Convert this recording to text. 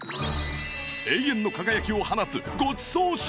永遠の輝きを放つごちそう商品！